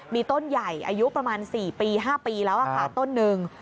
มีต้นใหญ่อายุประมาณ๔ปี๕ปีแล้วค่ะต้นหนึ่ง